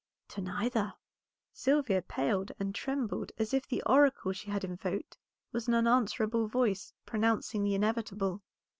"To neither." Sylvia paled and trembled, as if the oracle she had invoked was an unanswerable voice pronouncing the inevitable.